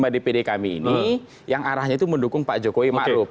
lima dpd kami ini yang arahnya itu mendukung pak jokowi maklub